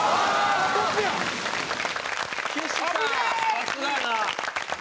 さすがやな！